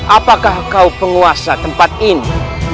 apakah kau penguasa tempat ini